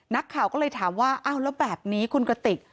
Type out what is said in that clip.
นักข่าวก็เลยถามว่าอ้าวแล้วแบบนี้คุณกระติก